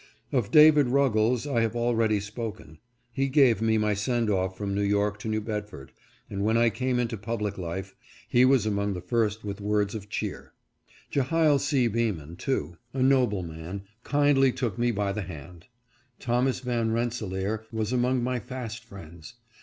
Of David Ruggles I have already spoken. He gave me my send off from New York to New Bedford, and when I came into public life, he was among the first with words APPRECIATION OF KIND SERVICES. 569 of cheer. Jehiel C. Beman too, a noble man, kindly took me by the hand. Thomas Van Ranselear was among my fast friends.